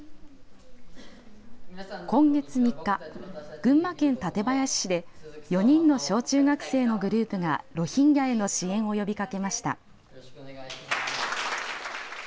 今月３日、群馬県館林市で４人の小中学生のグループがロヒンギャへの支援を呼びかけました。